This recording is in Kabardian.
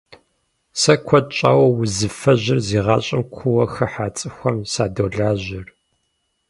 Сэ куэд щӏауэ узыфэжьыр зи гъащӏэм куууэ хыхьа цӏыхухэм садолажьэр.